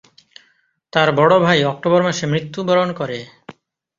তার বড় ভাই অক্টোবর মাসে মৃত্যুবরণ করে।